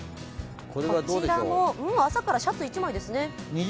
こちらも朝からシャツ１枚ですね。